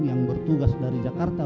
yang bertugas dari jakarta